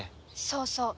そうそう。